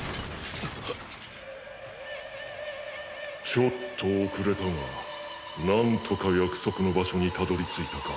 ちょっと遅れたが何とか約束の場所にたどりついたか。